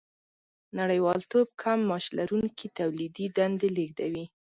نړیوالتوب کم معاش لرونکي تولیدي دندې لېږدوي